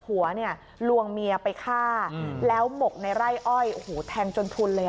ผัวเนี่ยลวงเมียไปฆ่าแล้วหมกในไร่อ้อยโอ้โหแทงจนทุนเลย